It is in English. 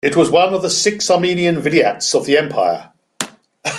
It was one of the six Armenian vilayets of the Empire.